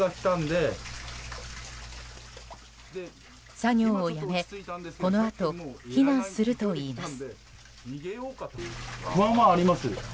作業をやめこのあと避難するといいます。